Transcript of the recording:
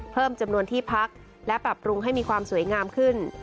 เพิ่มจำนวนที่พักและปรับปรุงให้มีความสวยงามขึ้น